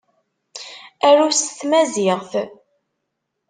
Arut s Tmaziɣt.